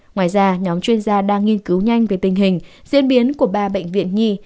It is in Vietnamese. ngoài ra nhóm chuyên gia đang nghiên cứu nhanh về tình hình diễn biến của ba bệnh viện nhi